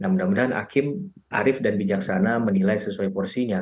mudah mudahan hakim arief dan bijaksana menilai sesuai porsinya